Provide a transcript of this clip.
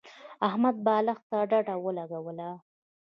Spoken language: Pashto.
احمد بالښت ته ډډه ولګوله.